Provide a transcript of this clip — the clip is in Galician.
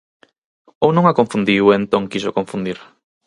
¿Ou non a confundiu e entón quixo confundir?